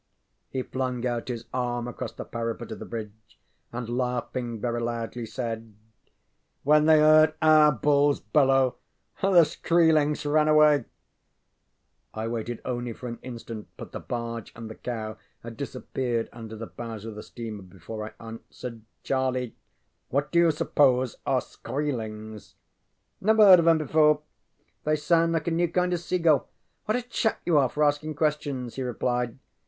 He flung out his arm across the parapet of the bridge, and laughing very loudly, said: ŌĆ£When they heard our bulls bellow the Skroelings ran away! ŌĆØ I waited only for an instant, but the barge and the cow had disappeared under the bows of the steamer before I answered. ŌĆ£Charlie, what do you suppose are Skroelings? ŌĆØ ŌĆ£Never heard of ŌĆśem before. They sound like a new kind of seagull. What a chap you are for asking questions! ŌĆØ he replied.